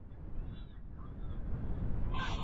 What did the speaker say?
پیسې په ځمکه نه غورځول کېږي.